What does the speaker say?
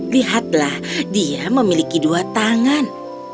lihatlah dia memiliki dua tangan